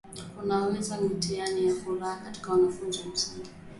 Kuweza mtiani ni furaha kwa wanafunzi wa msingi